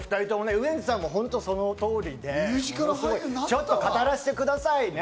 ウエンツさんも本当、その通りで、ちょっと語らせてくださいね。